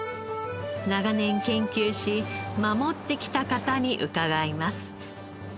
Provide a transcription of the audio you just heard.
長年研究し守ってきた方に伺います。